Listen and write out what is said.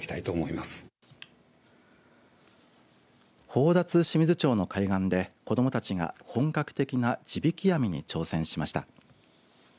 宝達志水町の海岸で子どもたちが本格的な地引き網に挑戦しました。